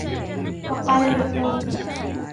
وَقَالَ الْمَأْمُونُ